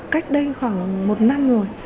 cách đây khoảng một năm rồi